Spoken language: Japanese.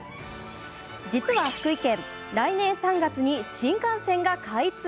実は、福井県来年３月に新幹線が開通。